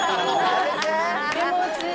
気持ちいい。